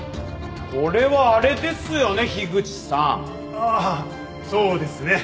ああそうですね。